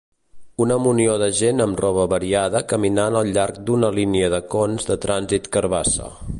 Una munió de gent amb roba variada caminant al llarg d'una línia de cons de trànsit carbassa.